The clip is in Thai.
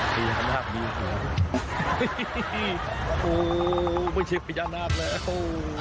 พญานาธิ์โอ้โหไม่ใช่พญานาธิ์แล้วโอ้โห